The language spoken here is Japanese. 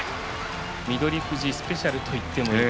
翠富士スペシャルと言ってもいい